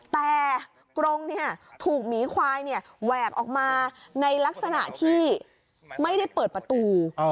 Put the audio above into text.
แต่กรงถูกหมีควายแหวกออกมาในลักษณะที่ไม่ได้เปิดประตู